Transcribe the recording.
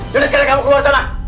yudha sekarang kamu keluar sana